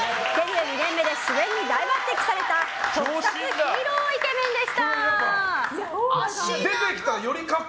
２年目で主演に大抜擢された特撮ヒーローイケメンでした。